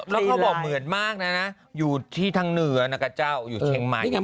แล้วเขาบอกเหมือนมากนะอยู่ที่ทางเหนือนะกับเจ้าอยู่เชียงใหม่เนี่ย